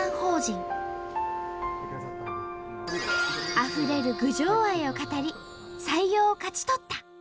あふれる郡上愛を語り採用を勝ち取った。